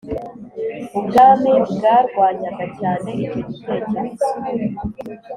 u bwami bwarwanyaga cyane icyo gitekerezo